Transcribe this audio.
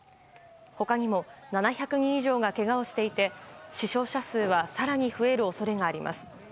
他にも７００人以上がけがをしていて死傷者数は更に増える恐れがあります。